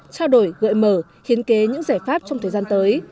trao đổi gợi mở hiến kế những giải pháp trong thời gian tới